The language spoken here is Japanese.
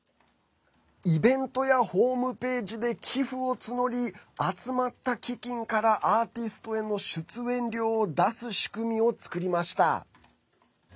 イベントやホームページで寄付を募り集まった基金からアーティストへの出演料を出す仕組みを作りました。